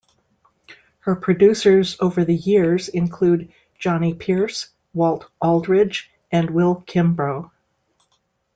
Her producers over the years include Johnny Pierce, Walt Aldridge, and Will Kimbrough.